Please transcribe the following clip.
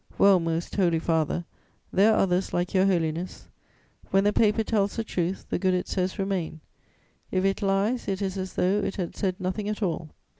'Well, Most Holy Father, there are others like Your Holiness; when the paper tells the truth, the good it says remains; if it lies, it is as though it had said nothing at all.